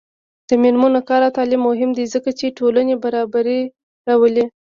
د میرمنو کار او تعلیم مهم دی ځکه چې ټولنې برابري راولي.